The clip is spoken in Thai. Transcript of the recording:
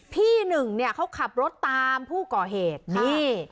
พี่หนึ่งเนี่ยเขาขับรถตามผู้ก่อเหตุนี่